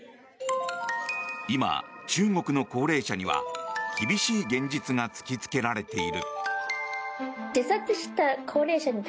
今、中国の高齢者には厳しい現実が突きつけられている。